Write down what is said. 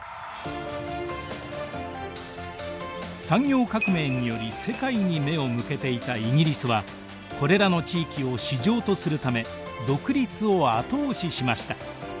産業革命により世界に目を向けていたイギリスはこれらの地域を市場とするため独立を後押ししました。